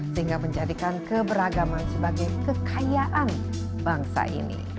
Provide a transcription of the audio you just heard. sehingga menjadikan keberagaman sebagai kekayaan bangsa ini